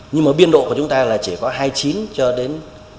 nhưng mà biên độ của chúng ta là chỉ có hai mươi chín cho đến bốn mươi